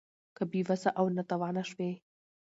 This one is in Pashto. که بې وسه او ناتوانه شوې